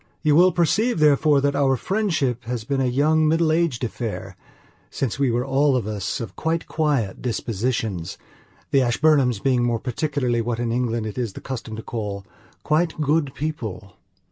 You will perceive, therefore, that our friendship has been a young middle aged affair, since we were all of us of quite quiet dispositions, the Ashburnhams being more particularly what in England it is the custom to call "quite good people".